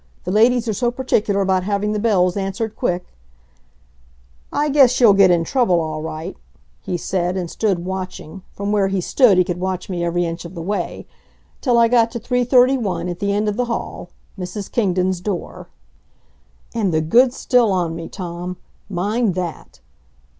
The ladies are so particular about having the bells answered quick " "I guess you'll get in trouble all right," he said and stood watching from where he stood he could watch me every inch of the way till I got to 331, at the end of the hall, Mrs. Kingdon's door. And the goods still on me, Tom, mind that.